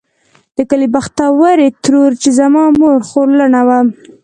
د کلي بختورې ترور چې زما مور خورلڼه وه.